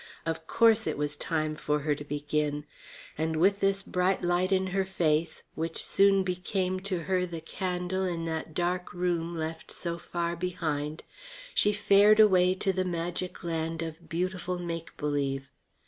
Of course it was time for her to begin. And with this bright light in her face, which soon became to her the candle in that dark room left so far behind, she fared away to the magic land of beautiful make believe.